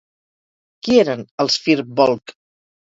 Qui eren els Fir Bolg?